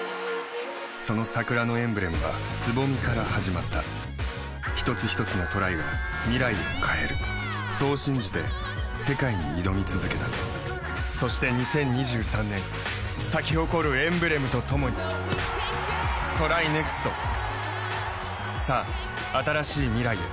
その桜のエンブレムは蕾から始まった一つひとつのトライが未来を変えるそう信じて世界に挑み続けたそして２０２３年咲き誇るエンブレムとともにＴＲＹＮＥＸＴさあ、新しい未来へ。